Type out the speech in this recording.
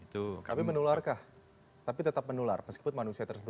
tapi menularkah tapi tetap menular meskipun manusia tersebut